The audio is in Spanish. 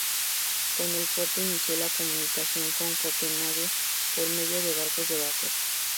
Con el puerto inició la comunicación con Copenhague por medio de barcos de vapor.